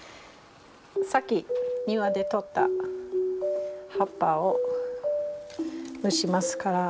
さっき庭で採った葉っぱを蒸しますから。